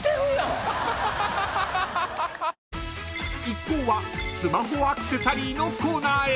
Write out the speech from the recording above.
［一行はスマホアクセサリーのコーナーへ］